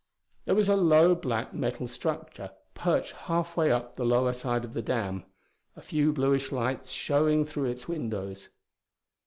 There was a low black metal structure perched halfway up the lower side of the dam, a few bluish lights showing through its windows.